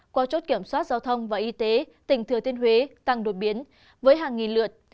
qua chốt kiểm soát giao thông và y tế tỉnh thừa thiên huế tăng đột biến với hàng nghìn lượt